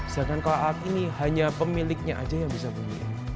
sedangkan kalau alat ini hanya pemiliknya aja yang bisa beli